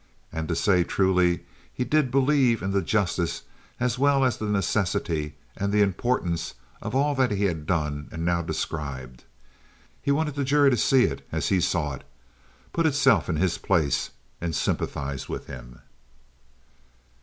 And to say truly, he did believe in the justice as well as the necessity and the importance of all that he had done and now described. He wanted the jury to see it as he saw it—put itself in his place and sympathize with him.